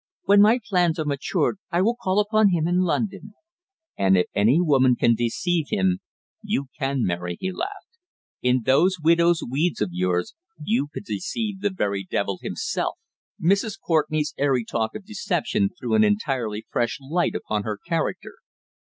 "When my plans are matured I will call upon him in London." "And if any woman can deceive him, you can, Mary," he laughed. "In those widow's weeds of yours you could deceive the very devil himself!" Mrs. Courtenay's airy talk of deception threw an entirely fresh light upon her character.